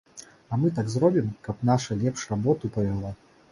А мы так зробім, каб наша лепш работу павяла.